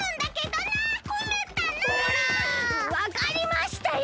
わかりましたよ！